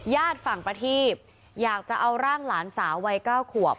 ญาติฝั่งประทีบอยากจะเอาร่างหลานสาววัย๙ขวบ